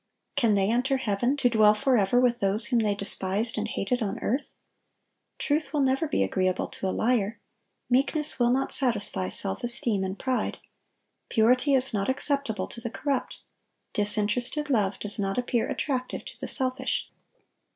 Can they enter heaven, to dwell forever with those whom they despised and hated on earth? Truth will never be agreeable to a liar; meekness will not satisfy self esteem and pride; purity is not acceptable to the corrupt; disinterested love does not appear attractive to the selfish.